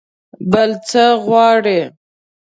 بل څه غواړئ؟